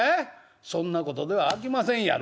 そんなことではあきませんやろ？